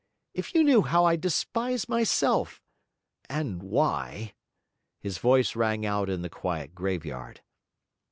If you knew how I despised myself and why!' His voice rang out in the quiet graveyard.